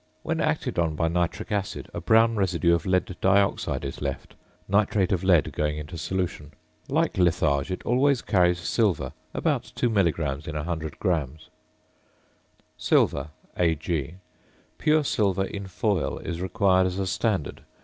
When acted on by nitric acid a brown residue of lead dioxide is left, nitrate of lead going into solution. Like litharge it always carries silver; about 2 milligrams in 100 grams. ~Silver~, Ag. Pure silver in foil is required as a standard.